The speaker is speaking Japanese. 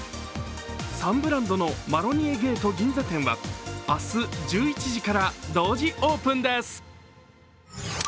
３ブランドのマロニエゲート銀座店は、明日１１時から同時オープンです。